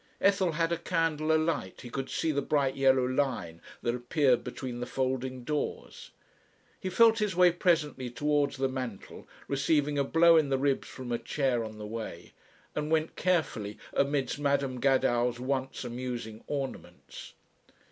Ethel had a candle alight, he could see the bright yellow line that appeared between the folding doors. He felt his way presently towards the mantel, receiving a blow in the ribs from a chair on the way, and went carefully amidst Madam Gadow's once amusing ornaments.